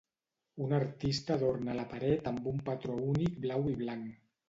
Un artista adorna la paret amb un patró únic blau i blanc.